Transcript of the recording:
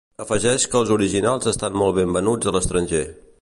Afegeix que els originals estan molt ben venuts a l'estranger.